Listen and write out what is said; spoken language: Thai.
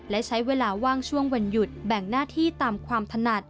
และใช้เวลาว่างช่วงวันหยุดแบ่งหน้าที่ตามความถนัด